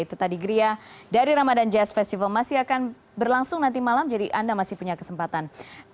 itu tadi gria dari ramadan jazz festival masih akan berlangsung nanti malam jadi anda masih punya kesempatan